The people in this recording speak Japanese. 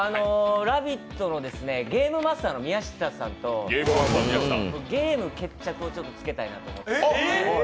「ラヴィット！」のゲームマスターの宮下さんとゲーム決着をつけたいなと思って。